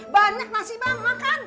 banyak nasi bang makan